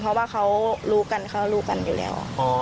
เพราะว่าเขารู้กันเขารู้กันอยู่แล้ว